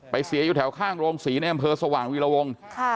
เสียอยู่แถวข้างโรงศรีในอำเภอสว่างวีรวง